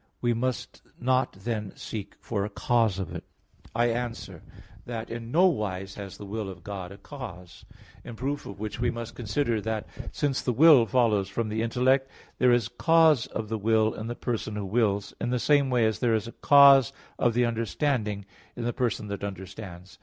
We must not then seek for a cause of it. I answer that, In no wise has the will of God a cause. In proof of which we must consider that, since the will follows from the intellect, there is cause of the will in the person who wills, in the same way as there is a cause of the understanding, in the person that understands.